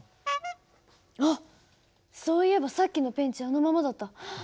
あっそういえばさっきのペンチあのままだった。